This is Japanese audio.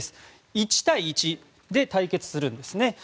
１対１で対決するんですね。